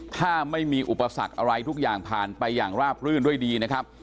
ถ้าไม่มีอุปสรรคอะไรทุกอย่างผ่านไปอย่างราบรื่นด้วยดีนะครับ